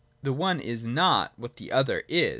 The one is not what the other is.